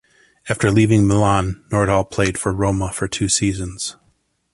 After leaving Milan, Nordahl played for Roma for two seasons.